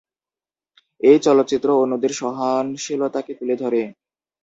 এই চলচ্চিত্র অন্যদের সহনশীলতাকে তুলে ধরে।